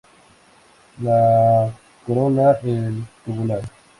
La corola el tubular.